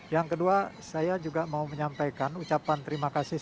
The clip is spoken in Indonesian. yang kedua saya juga mau menyampaikan ucapan terima kasih